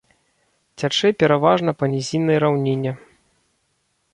Цячэ пераважна па нізіннай раўніне.